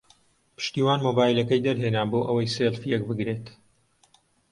پشتیوان مۆبایلەکەی دەرهێنا بۆ ئەوەی سێڵفییەک بگرێت.